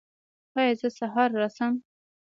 ایا زه سهار راشم؟